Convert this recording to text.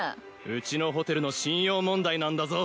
うちのホテルの信用問題なんだぞ。